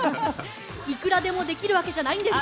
いくらでもできるわけじゃないんです。